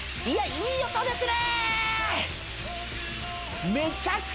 いい音ですね！